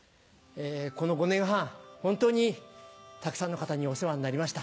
この５年半、本当にたくさんの方にお世話になりました。